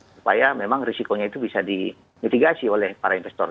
supaya memang risikonya itu bisa dimitigasi oleh para investor